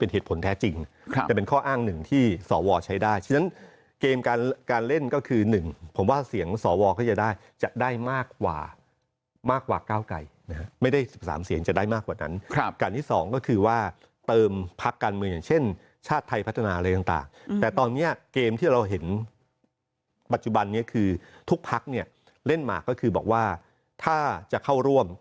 เหตุผลแท้จริงจะเป็นข้ออ้างหนึ่งที่สวใช้ได้ฉะนั้นเกมการเล่นก็คือ๑ผมว่าเสียงสวก็จะได้จะได้มากกว่ามากกว่าก้าวไกลไม่ได้๑๓เสียงจะได้มากกว่านั้นการที่สองก็คือว่าเติมพักการเมืองอย่างเช่นชาติไทยพัฒนาอะไรต่างแต่ตอนนี้เกมที่เราเห็นปัจจุบันนี้คือทุกพักเนี่ยเล่นมาก็คือบอกว่าถ้าจะเข้าร่วม